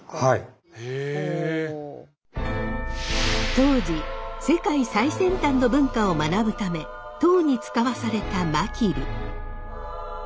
当時世界最先端の文化を学ぶため唐に遣わされた真備。